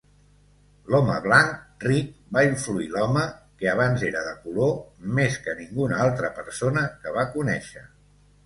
L'home blanc ric va influir l'home que abans era de color més que ninguna altra persona que va conèixer.